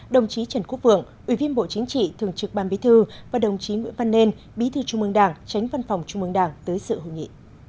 đồng chí trần quốc vượng ủy viên bộ chính trị thường trực ban bí thư và đồng chí nguyễn văn nên bí thư trung mương đảng tránh văn phòng trung mương đảng tới sự hội nghị